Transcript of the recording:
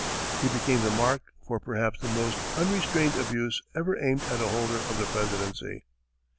He became the mark for perhaps the most unrestrained abuse ever aimed at a holder of the presidency.